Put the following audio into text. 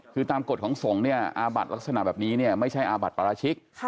คือตามกฎของสงฆ์อาบัตรลักษณะแบบนี้ไม่ใช่อาบัตรปราชิก